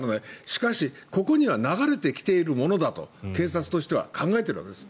しかし、ここには流れてきているものだと警察としては考えているわけです。